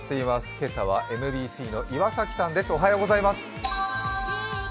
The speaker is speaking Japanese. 今朝はＭＢＣの岩崎さんです。